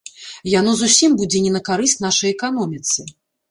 Яно зусім будзе не на карысць нашай эканоміцы.